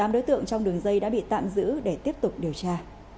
một mươi tám đối tượng trong đường dây đã bị tạm giữ để tiếp tục điều tra